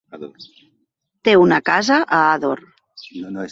Té una casa a Ador.